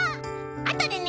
あとでね」。